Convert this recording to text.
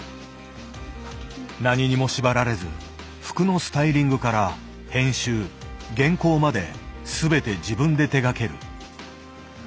何にも縛られず服のスタイリングから編集原稿まで全て自分で手がける。